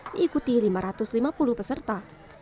diikuti lima ratus lima puluh peserta